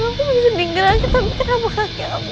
tangan aku bisa dingin lagi tapi kenapa kaki aku